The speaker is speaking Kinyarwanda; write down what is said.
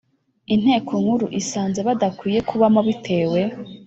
Inteko Nkuru isanze badakwiye kubamo bitewe